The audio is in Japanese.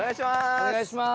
お願いします！